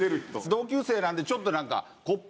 同級生なんでちょっとなんか小っ